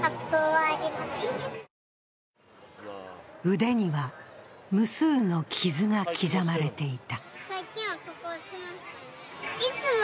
腕には無数の傷が刻まれていた。